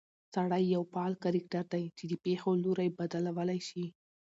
سړى يو فعال کرکټر دى، چې د پېښو لورى بدلولى شي